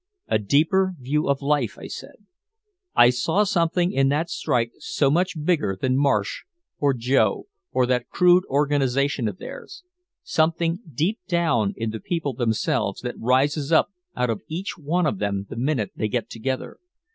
"A deeper view of life," I said. "I saw something in that strike so much bigger than Marsh or Joe or that crude organization of theirs something deep down in the people themselves that rises up out of each one of them the minute they get together.